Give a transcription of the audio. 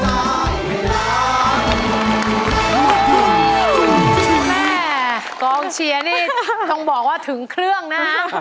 ม่ายกร้องเชียร์นีต้องบอกว่าถึงเครื่องนะ